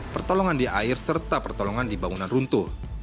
pertolongan di air serta pertolongan di bangunan runtuh